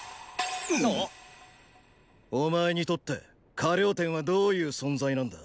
お前にとって河了貂はどういう存在なんだ？